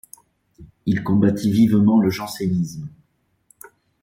Il combattit vivement le jansénisme.